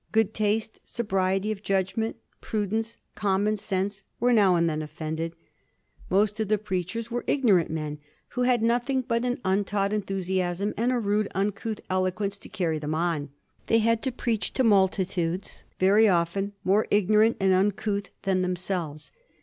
Oood taste, sobriety of judgment, prudence, common sense, were now and then offended. Most of the preachers were 1738. OPPOSITION TO WESLEYANISM. 141 ignorant men, who had nothing but an untaught enthusiasm and a rude, uncouth eloquence to carry them on. They had to preach to multitudes very often more ignorant and uncouth than themselves.